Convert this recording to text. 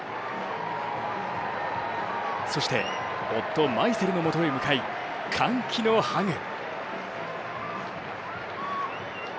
そして夫・マイセルの元へ向かい、歓喜のハグ。